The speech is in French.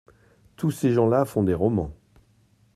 Tous ces gens-là font des romans !…